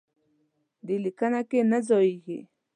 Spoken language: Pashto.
دې لیکنه کې نه ځایېږي.